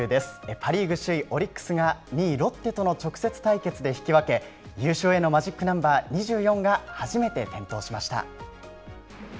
パ・リーグ首位オリックスが２位ロッテとの直接対決で引き分け、優勝へのマジックナンバー２４が初めて点灯しました。